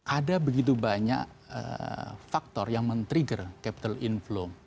ada begitu banyak faktor yang men trigger capital inflow